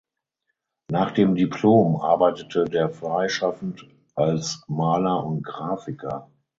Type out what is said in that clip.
Nach dem Diplom arbeitete der freischaffend als Maler und Graphiker.